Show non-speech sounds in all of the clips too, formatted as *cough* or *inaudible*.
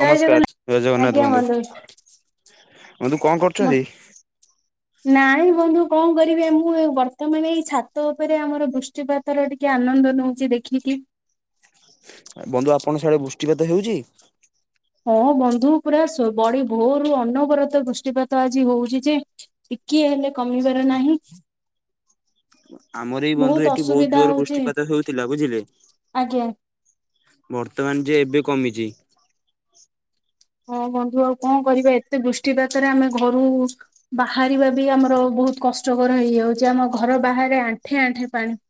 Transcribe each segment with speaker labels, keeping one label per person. Speaker 1: ଜୟ
Speaker 2: ନମସ୍କାର ଜୟ
Speaker 1: ଜଗନ୍ନାଥ ଆଜ୍ଞା
Speaker 2: ବନ୍ଧୁ
Speaker 1: ଭଲ ଅଛୁ।
Speaker 2: ବନ୍ଧୁ କଣ କରୁଛନ୍ତି?
Speaker 1: ନାଇଁ ବନ୍ଧୁ କଣ କରିବେ ମୁଁ ବର୍ତ୍ତମାନ ଏଇ ଛାତ ଉପରେ ଆମର ଦୃଷ୍ଟିପାତ। ତାର ଟିକେ ଆନନ୍ଦ ନେଉଛି ଦେଖିକି।
Speaker 2: ବନ୍ଧୁ ଆପଣ ସିଆଡେ ବୃଷ୍ଟିପାତ ହେଉଛି?
Speaker 1: ହଁ ବନ୍ଧୁ ପୁରା ବଡି ଭୋରୁୁ ଅନବରତ ବୃଷ୍ଟିପାତ ଆଜି ହଉଛି ଯେ ଟିକିଏ ହେଲେ କମିବାର ନାହିଁ।
Speaker 2: ଆମର ଏଇ ବନ୍ଧୁ ଏଠି ବହୁତ
Speaker 1: ଅସୁବିଧା
Speaker 2: ଜୋର
Speaker 1: ହଉଛି
Speaker 2: ବୃଷ୍ଟିପାତ ହେଉଥିଲା ବୁଝିଲେ।
Speaker 1: ଆଜ୍ଞା।
Speaker 2: ବର୍ତ୍ତମାନ ଯେ ଏବେ କମିଛି।
Speaker 1: ହଁ ବନ୍ଧୁ ଆଉ କଣ କରିବା ଏତେ ବୃଷ୍ଟିପାତରେ ଆମେ ଘରୁ ବାହାରିବା ବି ଆମର ବହୁତ କଷ୍ଟକର ହେଇଯାଉଛି। ଆମ ଘର ବାହାରେ ଆଣ୍ଠେ ଆଣ୍ଠେ ପାଣି। ହଁ।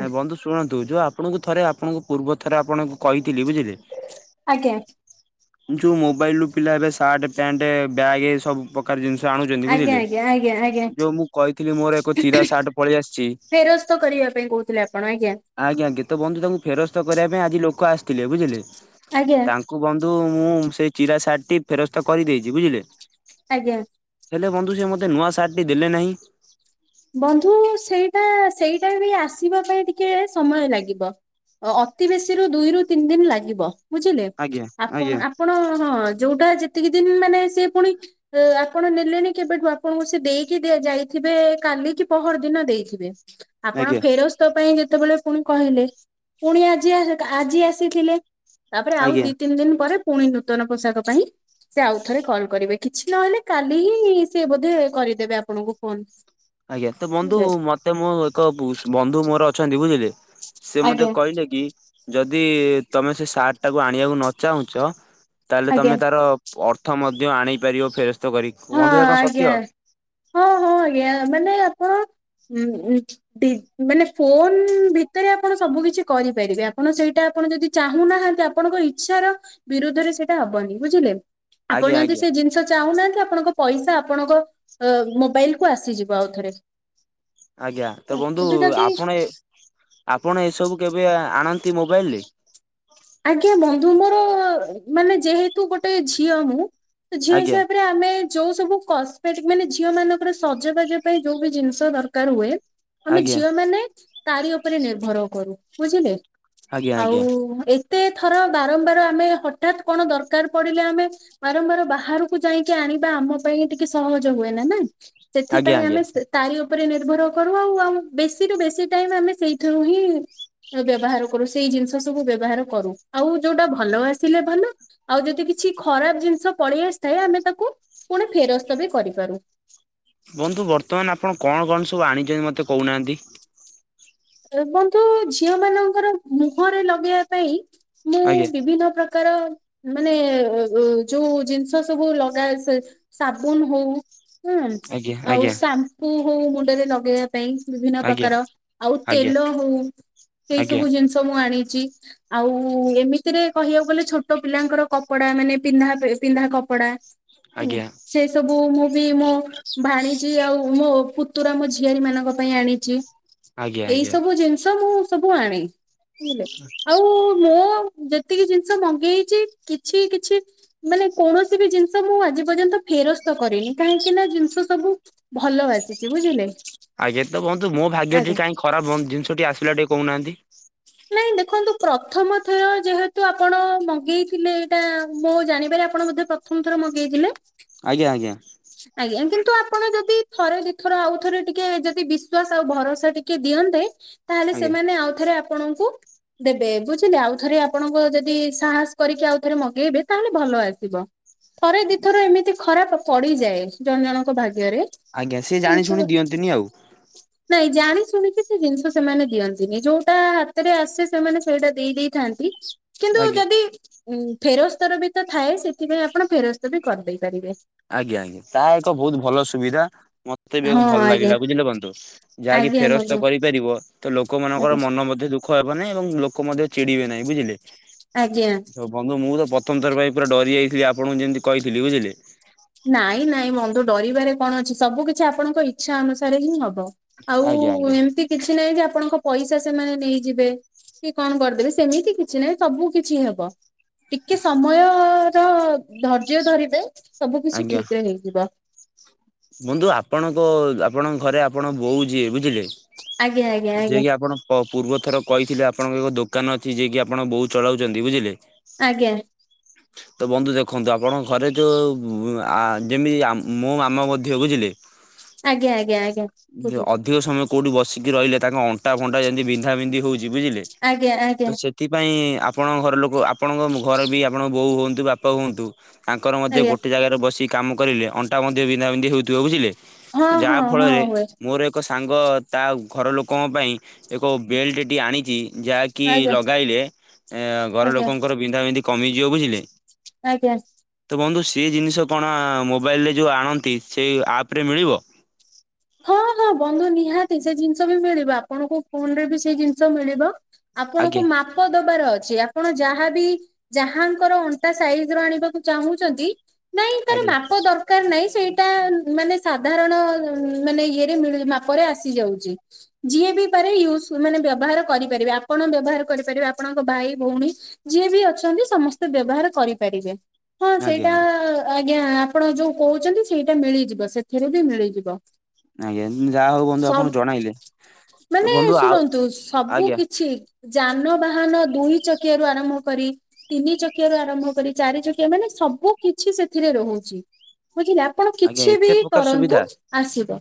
Speaker 2: ନାଇଁ ବନ୍ଧୁ ଶୁଣନ୍ତୁ ଯୋଉ ଆପଣଙ୍କୁ ଥରେ ଆପଣଙ୍କୁ ପୂର୍ବ ଥରେ ଆପଣଙ୍କୁ କହିଥିଲି ବୁଝିଲେ!
Speaker 1: ଆଜ୍ଞା।
Speaker 2: ଯୋଉ ମୋବାଇଲ ରୁ ପିଲା ଏବେ ସାର୍ଟ, ପ୍ୟାଣ୍ଟ, ବ୍ୟାଗ୍ ଏ ସବୁ ପ୍ରକାର ଜିନିଷ ଆଣୁଛନ୍ତି
Speaker 1: ଆଜ୍ଞା
Speaker 2: ବୁଝିଲେ
Speaker 1: ଆଜ୍ଞା ଆଜ୍ଞା ଆଜ୍ଞା
Speaker 2: ଯୋଉ ମୁଁ କହିଥିଲି ମୋର ଏକ ଚିରା ସାର୍ଟ ପଳେଇ ଆସିଛି।
Speaker 1: ଫେରସ୍ତ କରିବା ପାଇଁ କହୁଥିଲେ ଆପଣ ଆଜ୍ଞା।
Speaker 2: ଆଜ୍ଞା ଆଜ୍ଞା ତ ବନ୍ଧୁ ତାଙ୍କୁ ଫେରସ୍ତ କରିବା ପାଇଁ ଆଜି ଲୋକ ଆସିଥିଲେ ବୁଝିଲେ
Speaker 1: ଆଜ୍ଞା
Speaker 2: ତାଙ୍କୁ ବନ୍ଧୁ କିନ୍ତୁ ମୁଁ ସେଇ ଚିରା ସାର୍ଟ ଟି ଫେରସ୍ତ କରିଦେଇଛି ବୁଝିଲେ।
Speaker 1: ଆଜ୍ଞା।
Speaker 2: ହେଲେ ବନ୍ଧୁ ସେ ମୋତେ ନୂଆ ସାର୍ଟ ଟି ଦେଲେ ନାହିଁ।
Speaker 1: ବନ୍ଧୁ ସେଇଟା ସେଇଟା ବି ଆସିବା ପାଇଁ ଟିକେ ସମୟ ଲାଗିବ। ଅତି ବେଶୀ ରୁ ଦୁଇ ରୁ ତିନି ଦିନ ଲାଗିବ। ବୁଝିଲେ
Speaker 2: ଆଜ୍ଞା
Speaker 1: ଆପଣ
Speaker 2: ଆଜ୍ଞା
Speaker 1: ଆପଣ ହଁ ଯୋଉଟା ଯେ ଏତିକି ଦିନ ମାନେ ସେ ପୁଣି ଆପଣ ନେଲେଣି କେବେଠୁ ଆପଣଙ୍କୁ ସେ ଦେଇକି ଯାଇଥିବେ କାଲି କି ପହର ଦିନ ଦେଇଥିବେ ଆପଣ
Speaker 2: ଆଜ୍ଞା
Speaker 1: ଫେରସ୍ତ ତ ପାଇଁ ଯେତେବେଳେ ପୁଣି କହିଲେ ପୁଣି ଆଜି ଆଜି ଆସିଥିଲେ। ତାପରେ ଆଉ
Speaker 2: ଆଜ୍ଞା
Speaker 1: ଦି ତିନି ଦିନ ପରେ ପୁଣି ନୂତନ ପୋଷାକ ପାଇଁ ସେ ଆଉ ଥରେ କଲ୍ କରିବେ କିଛି ନହେଲେ କାଲି ହିଁ ସେ ବୋଧେ କରିଦେବେ ଆପଣଙ୍କୁ ଫୋନ।
Speaker 2: ଆଜ୍ଞା ତ ବନ୍ଧୁ
Speaker 1: ରେ
Speaker 2: ମତେ ମୋ ଏକ ବନ୍ଧୁ ମୋର ଅଛନ୍ତି ବୁଝିଲେ। ସେ ମତେ
Speaker 1: ଆଜ୍ଞା
Speaker 2: କହିଲେ କି। ଯଦି ତମେ ସେ ସାର୍ଟ ଟାକୁ ଆଣିବାକୁ ନ ଚାହୁଁଚ ତାଲେ
Speaker 1: ଆଜ୍ଞା
Speaker 2: ତମେ ତାର ଅର୍ଥ ମଧ୍ୟ ଆଣି ପାରିବ ଫେରସ୍ତ କରି
Speaker 1: ହଁ
Speaker 2: ବନ୍ଧୁ ଏହା କଣ
Speaker 1: ଆଜ୍ଞା
Speaker 2: ସତ୍ୟ?
Speaker 1: ହଁ ହଁ ଆଜ୍ଞା ମାନେ ଆପଣ ଉ ମାନେ ଫୋନ ଭିତରେ ଆପଣ ସବୁ କିଛି କରିପାରିବେ ଆପଣ ସେଇଟା ଆପଣ ଯଦି ଚାହୁଁ ନାହାନ୍ତି ଆପଣଙ୍କ ଇଚ୍ଛାର ବିରୁଧରେ ସେଇଟା ହବନି ବୁଝିଲେ। ଆପଣ
Speaker 2: ଆଜ୍ଞା
Speaker 1: ଯଦି
Speaker 2: ଆଜ୍ଞା
Speaker 1: ସେ ଜିନିଷ ଚାହୁଁନାହାନ୍ତି ଆପଣଙ୍କ ପଇସା ଆପଣଙ୍କ ମୋବାଇଲ କୁ ଆସିଯିବ ଆଉଥରେ।
Speaker 2: ଆଜ୍ଞା ତ ବନ୍ଧୁ
Speaker 1: କିନ୍ତୁ ଯଦି
Speaker 2: ଆପଣ ଏ ଆପଣ ଏସବୁ କେବେ ଆଣନ୍ତି ମୋବାଇଲରେ?
Speaker 1: ଆଜ୍ଞା ବନ୍ଧୁ ମୋର ମାନେ ଯେହେତୁ ଗୋଟେ ଝିଅ ମୁଁ ତ ଝିଅ
Speaker 2: ଆଜ୍ଞା
Speaker 1: ହିସାବରେ ଆମେ ଯୋଉ ସବୁ କସ୍ମେଟିକ ମାନେ ଝିଅ ମାନଙ୍କର ସଜବାଜ ପାଇଁ ଯୋଉ ବି ଜିନିଷ ଦରକାର ହୁଏ ଆମେ
Speaker 2: ଆଜ୍ଞା
Speaker 1: ଝିଅ ମାନେ ତାରି ଉପରେ ନିର୍ଭର କରୁ ବୁଝିଲେ
Speaker 2: ଆଜ୍ଞା
Speaker 1: ଆଉ
Speaker 2: ଆଜ୍ଞା
Speaker 1: ଏ ଥର ବାରମ୍ବାର ଆମେ ହଠାତ୍ କଣ ଦରକାର ପଡିଲେ ଆମେ ବାରମ୍ବାର ବାହାରକୁ ଯାଇକି ଆଣିବା ଆମ ପାଇଁ ଟିକେ ସହଜ ହୁଏ ନାଇଁ ନା।
Speaker 2: ଆଜ୍ଞା
Speaker 1: ସେଥିପାଇଁ
Speaker 2: ଆଜ୍ଞା
Speaker 1: ଆମେ ତାରି ଉପରେ ନିର୍ଭର କରୁ ଆଉ ଆଉ ବେଶୀରୁୁ ବେଶୀ ଟାଇମ ଆମେ ସେଇଥିରୁ ହିଁ ବ୍ୟବହାର କରୁ ସେଇ ଜିନିଷ ସବୁ ବ୍ୟବହାର କରୁ ଆଉ ଯୋଉଟା ଭଲ ଆସିଲେ ଭଲ। ଆଉ ଯଦି କିଛି ଖରାପ ଜିନିଷ ପଳେଇ ଆସିଥାଏ ଆମେ ତାକୁ ପୁଣି ଫେରସ୍ତ ବି କରିପାରୁ।
Speaker 2: ବନ୍ଧୁ ବର୍ତ୍ତମାନ ଆପଣ କଣ କଣ ସବୁ ଆଣିଚନ୍ତି ମତେ କୋହୁନାହାନ୍ତି।
Speaker 1: ଏ ବନ୍ଧୁ ଝିଅ ମାନଙ୍କର ମୁହଁରେ ଲଗେଇବା ପାଇଁ ମୁଁ
Speaker 2: ଆଜ୍ଞା
Speaker 1: ବିଭିନ୍ନ ପ୍ରକାର ମାନେ ଯୋଉ ଜିନିଷ ସବୁ ଲଗାଏ ସେ ସାବୁନ ହୋ ଉ ହୁଁ
Speaker 2: ଆଜ୍ଞା
Speaker 1: ଆଉ
Speaker 2: ଆଜ୍ଞା
Speaker 1: ସାମ୍ପୁ ହୋଉ ମୁଣ୍ଡରେ ଲଗେଇବା ପାଇଁ ବିଭିନ୍ନ
Speaker 2: ଆଜ୍ଞା
Speaker 1: ପ୍ରକାର। ଆଉ
Speaker 2: ଆଜ୍ଞା
Speaker 1: ତେଲ ହୋଉ ଏଇ
Speaker 2: ଆଜ୍ଞା
Speaker 1: ସବୁ ଜିନିଷ ମୁଁ ଆଣିଚି। ଆଉ ଏମିତିରେ କହିବାକୁ ଗଲେ ଛୋଟ ପିଲାଙ୍କର କପଡା ମାନେ ପିନ୍ଧା ପିନ୍ଧା କପଡା ହୁଁ
Speaker 2: ଆଜ୍ଞା।
Speaker 1: ସେ ସବୁ ମୁଁ ବି ମୋ ଭାଣିଜି ଆଉ ମୋ ପୁତୁରା ମୋ ଝିଆରୀ ମାନଙ୍କ ପାଇଁ ଆଣିଚି।
Speaker 2: ଆଜ୍ଞା
Speaker 1: ଏଇ
Speaker 2: ଆଜ୍ଞା
Speaker 1: ସବୁ ଜିନିଷ ମୁଁ ସବୁ ଆଣେ ବୁଝିଲେ ଆଉ ମୁଁ ଯେତିକି ଜିନିଷ ମଗେଇଚି କିଛି କିଛି ମାନେ କୌଣସି ବି ଜିନିଷ ମୁଁ ଆଜି ପର୍ଯ୍ୟନ୍ତ ଫେରସ୍ତ କରିନି କାହିଁକି ନା ଜିନିଷ ସବୁ ଭଲ ଆସିଚି ବୁଝିଲେ
Speaker 2: ଆଜ୍ଞା ତ ବନ୍ଧୁ ମୋ ଭାଗ୍ୟ ଟି
Speaker 1: ଆଜ୍ଞା
Speaker 2: କାଇଁ ଖରାପଜିନିଷଟି ଆସିଲା ଟିକେ କୋହୁନାହାନ୍ତି।
Speaker 1: ନାଇଁ ଦେଖନ୍ତୁ ପ୍ରଥମ ଥର ଯେହେତୁ ଆପଣ ମଗେଇଥିଲେ ଏଇଟା ମୋଜାଣିବାରେ ଆପଣ ବେଧେ ପ୍ରଥମ ଥର ମଗେଇଥିଲେ
Speaker 2: ଆଜ୍ଞା ଆଜ୍ଞା।
Speaker 1: ଆଜ୍ଞା କିନ୍ତୁ ଆପଣ ଯଦି ଥରେ ଦିଥର ଆଉଥରେ ଟିକେ ଯଦି ବିଶ୍ଵାସ ଆଉ ଭରସା ଟିକେ ଦିଅନ୍ତେ ତାହେଲେ ସେମାନେ ଆଉ ଥରେ ଆପଣଙ୍କୁ ଦେବେ ବୁଝିଲେ ଆଉ ଥରେ ଆପଣଙ୍କ ଯେଦି ସାହସ କରିକି ଆଉ ଥରେ ମଗେଇବେ ତାହେଲେ ଭଲ ଆସିବ। ଥରେ ଦିଇଥର ଏମିତି ଖରାପ ପଡିଯାଏ ଜଣ ଜଣଙ୍କ ଭାଗ୍ୟରେ
Speaker 2: ଆଜ୍ଞା ସେ ଜାଣି
Speaker 1: କିନ୍ତୁ
Speaker 2: ଶୁଣି ଦିଅନ୍ତିନି ଆଉ
Speaker 1: *inaudible* ନାଇଁ ଜାଣି ଶୁଣିକି ସେ ଜିନିଷ ସେମାନେ ଦିଅନ୍ତିନି ଯୋଉଟା ହାତରେ ଆସେ ସେମାନେ ସେଇଟା ଦେଇ ଦେଇ ଦେଇଥାନ୍ତି। କିନ୍ତୁ
Speaker 2: ଆଜ୍ଞା
Speaker 1: ଯଦି ଉଁ ଫେରସ୍ତର ବି ତ ଥାଏ ସେଥିପାଇଁ ଆପଣ ଫେରସ୍ତ ବି କରିଦେଇ ପାରିବେ।
Speaker 2: ଆଜ୍ଞା ଆଜ୍ଞା ତା ଏକ ବୋହୁତ ଭଲ ସୁବିଧା ମତେ ବି
Speaker 1: ହଁ
Speaker 2: ଭଲ
Speaker 1: ଆଜ୍ଞା
Speaker 2: ଲାଗିଲା ବୁଝିଲେ ବନ୍ଧୁ। ଯାହାକି
Speaker 1: ଆଜ୍ଞା ବନ୍ଧୁ
Speaker 2: ଫେରସ୍ତ କରିପାରିବ ତ ଲୋକମାନଙ୍କର
Speaker 1: ଆଜ୍ଞା
Speaker 2: ମନ ମଧ୍ୟ ଦୁଃଖ ହେବନି ଏବଂ ଲୋକ ମଧ୍ୟ ଚିଡିବେ ନାଇଁ ବୁଝିଲେ।
Speaker 1: ଆଜ୍ଞା।
Speaker 2: ଦେଖାନ୍ତୁ ମୁଁ ତ ପ୍ରଥମ ଥର ପାଇଁ ପୁରା ଡରିଯାଇଥିଲି ଆପଣଙ୍କୁ ଯେମିତି କହିଥିଲି ବୁଝିଲେ।
Speaker 1: ନାଇଁ ନାଇଁ ବନ୍ଧୁଡରିବାରେ କଣ ଅଛି ସବୁ କିଛି ଆପଣଙ୍କ ଇଚ୍ଛା ଅନୁସାରେ ହିଁ ହବ ଆଉ
Speaker 2: ଆଜ୍ଞା ଆଜ୍ଞା
Speaker 1: ଏମତି କିଛି ନାହିଁ ଯେ ଆପଣଙ୍କ ପଇସା ସେମାନେ ନେଇଯିବେ। କି କଣ କରିଦେବେ ସେମିତି କିଛି ନାହିଁ ସବୁ କିଛି ହେବ। ଟିକେ ସମୟ ର ଧୈର୍ଯ୍ୟ ଧରିବେ ସବୁ କିଛି
Speaker 2: ଆଜ୍ଞା
Speaker 1: ଠିକ୍ ରେ ହେଇଯିବ।
Speaker 2: ବନ୍ଧୁ ଆପଣଙ୍କ ଆପଣଙ୍କ ଘରେ ଆପଣ ବୋଉ ଯିଏ ବୁଝିଲେ।
Speaker 1: ଆଜ୍ଞା ଆଜ୍ଞା
Speaker 2: ଯିଏ
Speaker 1: ଆଜ୍ଞା
Speaker 2: କିି ଆପଣ। ପୂର୍ବ ଥର କହିଥିଲେ ଆପଣଙ୍କ ଏକ ଦୋକାନ ଅଛି ଯିଏକି ଆପଣ ବୋଉ ଚଳାଉଛନ୍ତି ବୁଝିଲେ।
Speaker 1: ଆଜ୍ଞା।
Speaker 2: ତ ବନ୍ଧୁ ଦେଖନ୍ତୁ ଆପଣଙ୍କ ଘରେ ଯୋଉଁ ଯେମିତି ମୋ ମାମା ମଧ୍ୟ ତବୁଝିଲେ
Speaker 1: ଆଜ୍ଞା ଆଜ୍ଞା ଆଜ୍ଞା। ବୁଝୁଛି
Speaker 2: ଅଧିକ ସମୟ କୋଉଠି ବସିକି ରହିଲେ ତାଙ୍କ ଅଣ୍ଟା ଫଣ୍ଟା ଯେମିତି ବିନ୍ଧା ବିିନ୍ଧି ହୋଉଛି ବୁଝିଲେ
Speaker 1: ଆଜ୍ଞା
Speaker 2: ତ
Speaker 1: ଆଜ୍ଞା
Speaker 2: ସେ ସେଥିପାଇଁ ଆପଣଙ୍କ ଘର ଲୋକ ଆପଣଙ୍କ ଘରେ ବି ଆପଣଙ୍କ ବୋଉ ହୁଅନ୍ତୁ, ବାପା ହୁଅନ୍ତୁ। ତାଙ୍କର ମଧ୍ୟ
Speaker 1: ଆଜ୍ଞା
Speaker 2: ଗୋଟେ ଜାଗାରେ ବସି କାମ କରିଲେ ଅଣ୍ଟା ମଧ୍ୟ ବିନ୍ଧା ବିିନ୍ଧି ହୋଉଥିବ ବୁଝିଲେ।
Speaker 1: ହଁ
Speaker 2: ଯାହା
Speaker 1: ହଁ ହଁ
Speaker 2: ଫଳରେ
Speaker 1: ହୁଏ
Speaker 2: ମୋର ଏକ ସାଙ୍ଗ ତା ଘର ଲୋକଙ୍କ ପାଇଁ। ଏବଂବେଲ୍ଟଟି ଆଣିଛି ଯାହାକି
Speaker 1: ଆଜ୍ଞା
Speaker 2: ଲଗାଇଲେ ଘର
Speaker 1: ଆଜ୍ଞା
Speaker 2: ଲୋକଙ୍କର ବିନ୍ଧା ବିିଧି କମିଯିବ ବୁଝିଲେ?
Speaker 1: ଆଜ୍ଞ।
Speaker 2: ତ ବନ୍ଧୁ ସେ ଜିନିଷ କଣ ମୋବାଇଲରେ ଯୋଉଁ ଆଣନ୍ତି ସେଇ ଆପ୍ ରେ ମିଳିବ?
Speaker 1: ହଁ ହଁ ବନ୍ଧୁ ନିହାତି ସେ ଜିନିଷ ବି ମିଳିବ ଆପଣଙ୍କୁ ଫୋନ ରେ ବି ସେଇ ଜିନିଷ ମିଳିବ। ଆପଣଙ୍କୁ
Speaker 2: ଆଜ୍ଞା
Speaker 1: ମାପ ଦବାର ଅଛି ଆପଣ ଯାହାବି ଯାହାଙ୍କର ଅଣ୍ଟା ସାଇଜ୍ ର ଆଣିବାକୁ ଚାହୁଁଛନ୍ତି। ନାଇଁ ତାର
Speaker 2: ଆଜ୍ଞା
Speaker 1: ମାପ ଦର୍ କାର୍ ନାହିଁ ସେଇଟା ମାନେ ସାଧାରଣ। ମାନେ ଇଏରେ ମାପରେ ଆସିଯାଉଛି। ଯିଏ ବି ପାରେ ୟୁଜ ମାନେ ବ୍ୟବହାର କରିପାରିବେ, ଆପଣ ବ୍ୟବହାର କରିପାରିବେ ଆପଣଙ୍କ ଭାଇ, ଭଉଣୀ। ଯିଏ ବି ଅଛନ୍ତି ସମସ୍ତେ ବ୍ୟବହାର କରିପାରିବେ। ହଁ
Speaker 2: ଆଜ୍ଞା
Speaker 1: ସେଇଟା
Speaker 2: ଆଜ୍ଞା
Speaker 1: ଆଜ୍ଞା ଆପଣ ଯୋଉଁ କହୁଛନ୍ତି ସେଇଟା ମିଳିଯିବ ସେଥିରେ ବି ମିଳିଯିବ।
Speaker 2: ଆଜ୍ଞା ମୁଁ ଯା
Speaker 1: ସବ୍ ମାନେ
Speaker 2: ବନ୍ଧୁ ଆଉ
Speaker 1: ଶୁଣନ୍ତୁ ସବୁ
Speaker 2: ଆଜ୍ଞା
Speaker 1: କିଛି। ଯାନବାହାନ ଦୁଇ ଚକିଆ ରୁ ଆରମ୍ଭ କରି। ତିନି ଚକିଆ ରୁ ଆରମ୍ଭ କରି ଚାରି ଚକିଆ ମାନେ ସବୁ କିଛି ସେଥିରେ ରହୁଛି ବୁଝିଲା। ଆପଣ
Speaker 2: ଆଜ୍ଞା
Speaker 1: କିଛି ବି
Speaker 2: ଏତେ ପ୍ରକାର
Speaker 1: କରନ୍ତୁ
Speaker 2: ସୁବିଧା
Speaker 1: ଆସିବ,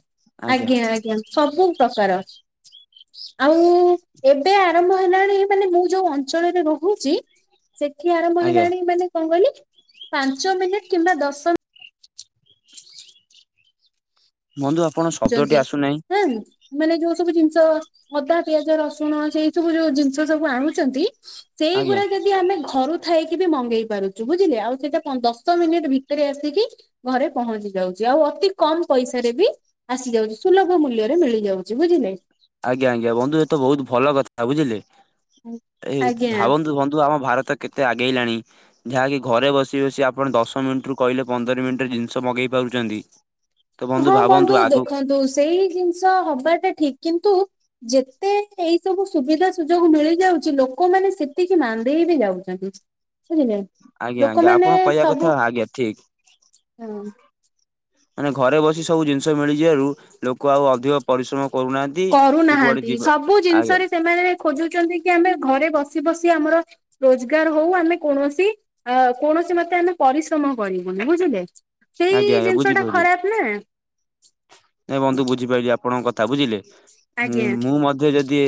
Speaker 1: ଆଜ୍ଞା- ଆଜ୍ଞା। ସବୁ ପ୍ରକାର। ଆଉ ଏବେ ଆରମ୍ଭ ହେଲାଣି ମାନେ ମୁଁ ଯୋଉଁ ଅଞ୍ଚଳରେ ରହୁଚି। ସେଠି ଆରମ୍ଭ
Speaker 2: ଆଜ୍ଞା
Speaker 1: ହେଲାଣି ମାନେ କଣ କହିଲି ପାଞ୍ଚ ମିନିଟ୍ କିମ୍ବା ଦଶ
Speaker 2: ବନ୍ଧୁ ଆପଣ
Speaker 1: ଛନ୍ତି
Speaker 2: ଶବ୍ଦଟି ଆସୁନାହିଁ।
Speaker 1: ହଁ ମାନେ ଯୋଉଁ ସବୁ ଜିନିଷ ଅଦା ପିଆଜ ରସୁଣ ସେଇ ସବୁ ଯୋଉଁ ଜିନିଷ ସବୁ ଆଣୁଚନ୍ତି।
Speaker 2: ଆଜ୍ଞା
Speaker 1: ସେଇଗୁରା ଯଦି ଆମେ ଘରୁ। ଥାଇକି ବି ମଗେଇ ପାରୁଛୁ ବୁଝିଲେ ଆଉ ସେଇଟା ଦଶ ମିନିଟ୍ ଭିତରେ ଆସିକି ଘରେ ପହଞ୍ଚି ଯାଉଛି, ଆଉ ଅତି କମ୍ ପଇସା ରେ ବି ଆସି ଯାଉଛି ସୁଲଭ ମୂଲ୍ୟରେ ମିଳିଯାଉଛି ବୁଝିଲେ।
Speaker 2: ଆଜ୍ଞା -ଆଜ୍ଞା ବନ୍ଧୁ ଏ ତ ବୋହୁତ୍ ଭଲ କଥା ବୁଝିଲେ। ଏଇ
Speaker 1: ଆଜ୍ଞା
Speaker 2: ଭାବନ୍ତୁ ଭନ୍ଧୁ ଆମ ଭାରତ କେତେ ଆଗେଇଲାଣି। ଯାହାକି ଘରେ ବସି ବସି ଆପଣ ଦଶ ମିଣ୍ଟରୁ କହିଲେ ପନ୍ଦର ନିଣ୍ଟ ଜିନିଷ ମଗେଇ ପାରୁଚନ୍ତି।
Speaker 1: ହଁ ବନ୍ଧୁ ଦେଖନ୍ତୁ ସେଇ ଜିନିଷ ହବାଟା ଠିକ୍ କିନ୍ତୁ ଯେତେ ଏଇ ସବୁ ସୁବିଧା ସୁଯୋଗ ମିଳି ଯାଉଚି, ଲୋକମାନେ ସେତିକି ମାନ୍ଦେଇ ବି ଯାଉ *unintelligible* ବୁଝିଲେ,
Speaker 2: ଆଜ୍ଞା ଆଜ୍ଞା ଆପଣ
Speaker 1: ଲୋକମାନେ
Speaker 2: କହିବା କଥା
Speaker 1: ସବୁ
Speaker 2: ଆଜ୍ଞା ଠିକ୍।
Speaker 1: ହଁ
Speaker 2: ମାନେ ଘରେ ବସି ସବୁ ଜିନିଷ ମିଳିଯିବାରୁ ଲୋକ ଆଉ ଅଧିକ ପରିଶ୍ରମ କରୁନାହାନ୍
Speaker 1: କରୁନାହାନ୍ତି। ସବୁ ଜିନିଷରେ ସେମାନେ ଖୋଜୁଚନ୍ତି କି ଆମେ ଘରେ ବସି ବସି ଆମର ରୋଜଗାର୍ ହୋଉ ଆମେ କୌଣସି ଅ କୌଣସି ମତେ ଆମେ ପରିଶ୍ରମ କରିବୁନି, ବୁଝିଲେ ସେଇ
Speaker 2: ଆଜ୍ଞା ଆଜ୍ଞା
Speaker 1: ଜିନିଷ ଟା
Speaker 2: ବୁଝିପାରିଲି
Speaker 1: ଖରାପ ନା, ହଁ
Speaker 2: ପଣଙ୍କ କଥା ବୁଝିଲେ, ମୁଁ ମଧ୍ୟ ଯଦି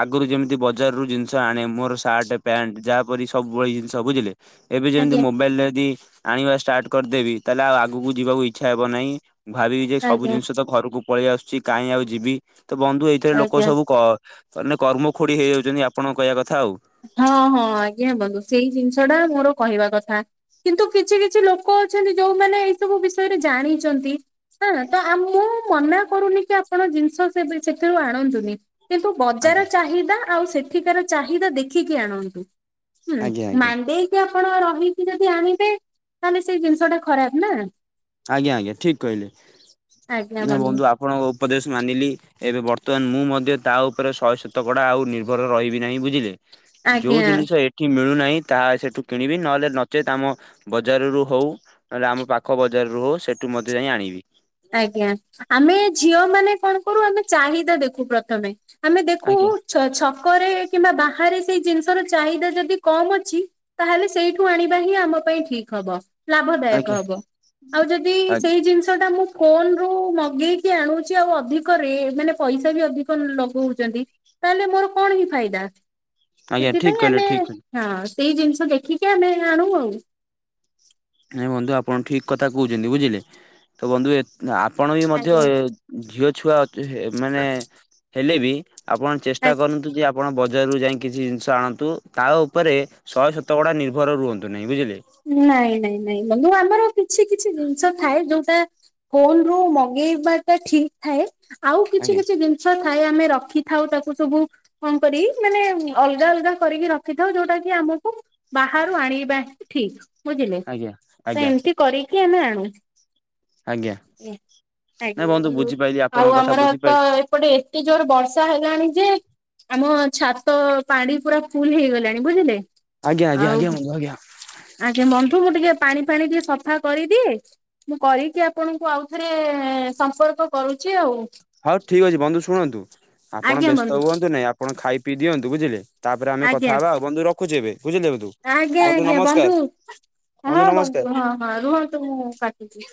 Speaker 2: ଆଗୁରୁ ଯେମିତି ବଜାରରୁୁ ଜିନିଷ ଆଣେ ମୋର ସାର୍ଟ ପ୍ୟାଣ୍ଟ ଯାହାପରି ସବୁ ଭଳି ଜିନିଷ ବୁଝିଲେ ଏବେ ଯେମିତି
Speaker 1: ଆଜ୍ଞା
Speaker 2: ମୋବାଇଲରେ ଯଦି ଆଣିବା ଷ୍ଟାର୍ଟ କରିଦେବି, ତାହେଲେ ଆଉ ଆଗକୁ ଯିବାକୁ ଇଚ୍ଛା ହେବ ନାହିଁ, ଭାବିବି ଯେ ସବୁ
Speaker 1: ଆଜ୍ଞା
Speaker 2: ଜିନିଷ ତ ଘରକୁ ପଳେଇ ଆସୁଚି କାହିଁ ଆଉ ଯିବି। ତ ବନ୍ଧୁ ଏଇଥିରେ ଲୋକ
Speaker 1: ଆଜ୍ଞା।
Speaker 2: ସବୁ ମାନେ କ ନାଇ କର୍ମ ଖୁଡିି ହେଇଯାଉଚନ୍ତି ଆପଣଙ୍କ କହିବା କଥା ଆଉ।
Speaker 1: ହଁ ହଁ ଆଜ୍ଞା ବନ୍ଧୁ ସେଇ ଜିନିଷ ଟା ମୋର କହିବା କଥା। କିନ୍ତୁ କିଛି କିଛି ଲୋକ ଅଛନ୍ତି ଯୋଉମାନେ ଏଇ ସବୁ ବିଷୟରେ ଜାଣିଚନ୍ତି। ନା ତ ଆ ମୁଁ ମନା କରୁନି କି ଆପଣ ଜିନିଷ ସେଥିରୁ ଆଣନ୍ତୁନି। କିନ୍ତୁ ବଜାର
Speaker 2: ଆଜ୍ଞା
Speaker 1: ଚାହିଦା ଆଉ ସେଠିକାର ଚାହିଦା ଦେଖିକି ଆଣନ୍ତୁ।
Speaker 2: ଆଜ୍ଞା
Speaker 1: *unintelligible*
Speaker 2: ଆଜ୍ଞା
Speaker 1: ମନ୍ଦେଇ କି ଆପଣ ରହିକି ଯଦି ଆଣିବେ ତାହେଲେ ସେଇ ଜିନିଷ ଟା ଖରାପ ନାଆ।
Speaker 2: ଆଜ୍ଞା ଆଜ୍ଞା ଠିକ କହିଲେ, ନାଇ ବନ୍ଧୁ ଆପଣଙ୍କ ଉପଦେଶ ମାନିଲି। ଏବେ ବର୍ତ୍ତମାନ ମୁଁ ମଧ୍ୟ ତା ଉପରେ ଶହେ ଶତକଡା ଆଉ ନିର୍ଭର ରହିବି ନାହିଁ ବୁଝିଲେ। ଯୋଉ
Speaker 1: ଆଜ୍ଞା।
Speaker 2: ଜିନିଷ ଏଟ୍ ଠି ମିଳୁନାହିଁ ତାହା ସେଠୁ କିଣିବି, ନଏଲେ ନଚେତ୍ ଆମ ବଜାର ରୁ ହୋଉ ନଲେ ଆମ ପାଖ ବ୍ ଜରୁ ହୋଊ ସେଠୁ ମଧ୍ୟ ଯାଇ ଆଣିବି।
Speaker 1: ଆଜ୍ଞା, ଆମେ ଝିଅ ମାନେ କଣ କରୁ ଆମେ ଚାହିଦା ଦେଖୁ ପ୍ରଥମେ। ଆମେ ଦେଖୁ
Speaker 2: ଆଜ୍ଞା
Speaker 1: ଛ ଛକରେ କିମ୍ବା ବାହାରେ ସେଇ ଜିନିଷ ର ଚାହିଦା ଯଦି କମ୍ ଅଛି, ତାହେଲେ ସେଇଠୁ ଆଣିବା ହିଁ ଆମ ପାଇଁ ଠିକ୍ ହବ। ଲାଭଦାୟକ
Speaker 2: ଆଜ୍ଞା
Speaker 1: ହବ, ଆଉ ଯଦି
Speaker 2: ଆଜ୍ଞା
Speaker 1: ସେଇ ଜିନିଷଟା ମୁଁ କୋନ୍ ରୁ ମଗେଇକି ଆଣୁଚି ଆଉ ଅଧିକ ରେ ମାନେ ପଇସା ବି ଅଧିକ ଲଗୋଉଚନ୍ତି, ତାହେଲେ ମୋର କଣ ହିଁ ଫାଇଦା?
Speaker 2: ଆଜ୍ଞା ଠିକ
Speaker 1: ସେଥିପାଇଁ
Speaker 2: କହିଲେ
Speaker 1: ଆମେ
Speaker 2: ଠିକ କହିଲେ।
Speaker 1: ହଁ ସେଇ ଜିନିଷ ଦେଖିକି ଆମେ ଆଣୁ ଆଉ।
Speaker 2: ନାଇଁ ବନ୍ଧୁ ଆପଣ ଠିକ୍ କଥା କହୁଚନ୍ତି ବୁଝିଲେ, ତ ବନ୍ଧୁ ଏତ୍ ଆପଣ ବି ମଧ୍ୟ
Speaker 1: ଆଜ୍ଞା
Speaker 2: ଏ ଝିଅ ଛୁଆ ଅଚ୍ ମାନେ ହେଲେ ବି ଆପଣ
Speaker 1: ଆଜ୍ଞା।
Speaker 2: ଚେଷ୍ଟା କରନ୍ତୁ ଯେ ଆପ ଆପଣ ବଜାରରୁ ଯାଇଁ କିଛି ଜିନିଷ ଆଣନ୍ତୁ, ତା ଉପରେ ଶହେ ଶତକଡା ନିର୍ଭର ରୁହନ୍ତୁ ନାହିଁ, ବୁଝିଲେ
Speaker 1: ନାଇଁ ନାଇଁ ନାଇଁ ବନ୍ଧୁ ମୁଁ ଆମର କିଛି କିଛି ଜିନିଷ ଥାଏ ଯୋଉଟା ଫୋନ୍ ରୁ ମଗେଇବାଟା ଠିକ୍ ଥାଏ, ଆଉ କିଛି
Speaker 2: ଆଜ୍ଞା
Speaker 1: କିଛି ଦିନ୍ ଷ ଥାଏ ଆମେ ରଖିଥାଉ ତାକୁ ସବୁ ଅନ୍ କରି ମାନେ ଅଲଗା ଅଲଗା କରିକି ରଖିଥାଉ, ଯୋଉଟା କି ଆମକୁ ବାହାରୁ ଆଣିବା ଠିକ୍, ବୁଝିଲେ
Speaker 2: ଆଜ୍ଞା
Speaker 1: ତ
Speaker 2: ଆଜ୍ଞା
Speaker 1: ଏମତି କରକି ଆମେ ଆଣୁ।
Speaker 2: ଆଜ୍ଞା ନାଇଁ ବନ୍ଧୁ
Speaker 1: ଆଜ୍ଞା
Speaker 2: ବୁଝିପାଇଲି
Speaker 1: *inaudible* ଆଉ
Speaker 2: ଆପଣଙ୍କ କଥା
Speaker 1: ଆମର ତ
Speaker 2: ବୁଝିପାଇଲି
Speaker 1: ଏପଟେ ତେ ଜୋରରେ ବର୍ଷା ହେଲାଣି ଯେ, ଆମ ଛାତ ପାଣି ପୁରା ଫୁଲ ହେଇଗଲାଣି, ବୁଝିଲେ।
Speaker 2: ଆଜ୍ଞା ଆଜ୍ଞା
Speaker 1: ଆଉ
Speaker 2: ଆଜ୍ଞା *unintelligible*
Speaker 1: ଆଜ୍ଞା ମୁଁ ବନ୍ଧୁ ଟିକେ ପାଣି ଫାଣି ଟିକେ ସଫା କରିଦିଏ। ମୁଁ କରିକି ଆପଣଙ୍କୁ ଆଉ ଥରେ ସମ୍ପର୍କ କରୁଚି ଆଉ।
Speaker 2: ହଉ ଠିକ ଅଛି ବନ୍ଧୁ ଶୁଣନ୍ତୁ ଆପଣ
Speaker 1: ଆଜ୍ଞା
Speaker 2: ବ୍ୟସ୍ତ
Speaker 1: ବନ୍ଧୁ
Speaker 2: ହୁଅନ୍ତୁ ନାଇଁ ଆପଣ ଖାଇ ପିଇ ଦିଅନ୍ତୁ ବୁଝିଲେ। ତାପରେ ଆମେ
Speaker 1: ଆଜ୍ଞା
Speaker 2: କଥା ହେବା ଆଉ ବନ୍ଧୁ ରଖୁଛି ଏବେ ବୁଝିଲେ ବନ୍ଧୁ,
Speaker 1: ଆଜ୍ଞା
Speaker 2: ବନ୍ଧୁ
Speaker 1: ଆଜ୍ଞା
Speaker 2: ନମସ୍କାର।
Speaker 1: ହଁ
Speaker 2: ବନ୍ଧୁ ନମସ୍କାର।
Speaker 1: ହଁ ହଁ ରୁହନ୍ତୁ ମୁଁ କାଟୁଚି।